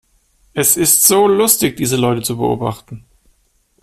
Es ist so lustig, diese Leute zu beobachten!